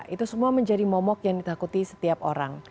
itu semua menjadi momok yang ditakuti setiap orang